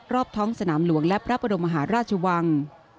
รอบท้องสนามหลวงและพระประโมฮาราชวัง